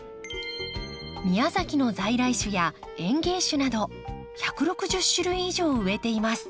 宮崎の在来種や園芸種など１６０種類以上を植えています。